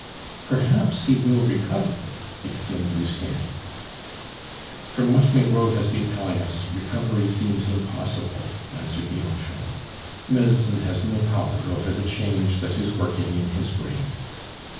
"Perhaps he will recover," exclaimed Lucien. "From what Meyraux has been telling us, recovery seems impossible," answered Bianchon. "Medicine has no power over the change that is working in his brain."